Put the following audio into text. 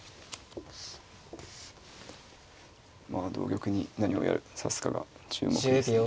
まあ同玉に何を指すかが注目ですね。